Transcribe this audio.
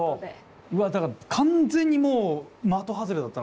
うわっだから完全にもう的外れだったな。